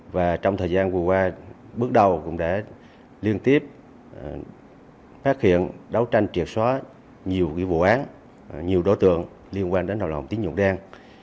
và trong thời gian vừa qua bước đầu cũng đã liên tiếp phát hiện đấu tranh triệt xóa nhiều vụ án nhiều đối tượng liên quan đến hoạt động tín dụng đen